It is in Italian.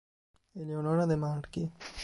Eleonora De Marchi